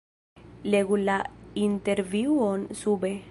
Legu la intervjuon sube.